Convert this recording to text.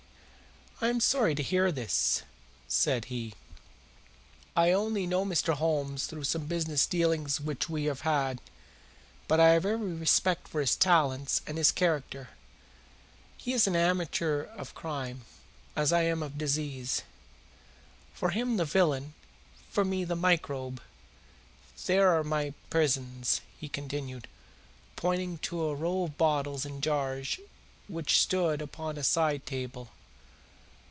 "I am sorry to hear this," said he. "I only know Mr. Holmes through some business dealings which we have had, but I have every respect for his talents and his character. He is an amateur of crime, as I am of disease. For him the villain, for me the microbe. There are my prisons," he continued, pointing to a row of bottles and jars which stood upon a side table.